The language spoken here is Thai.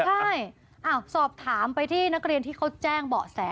ใช่สอบถามไปที่นักเรียนที่เขาแจ้งเบาะแส